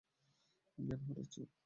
জ্ঞান হারাচ্ছে ও।